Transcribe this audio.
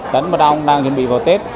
tấn mật ong đang chuẩn bị vào tết